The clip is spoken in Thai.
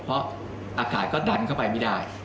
เพราะอากาศก็ดันเข้าไปไม่ได้